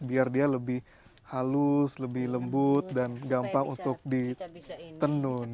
biar dia lebih halus lebih lembut dan gampang untuk ditenun